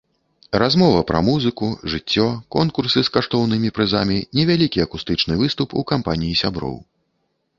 Размова пра музыку, жыццё, конкурсы з каштоўнымі прызамі, невялікі акустычны выступ у кампаніі сяброў.